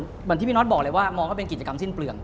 เหมือนที่พี่น็อตบอกเลยว่ามองว่าเป็นกิจกรรมสิ้นเปลือง